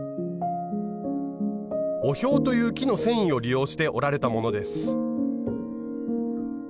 オヒョウという木の繊維を利用して織られたものです。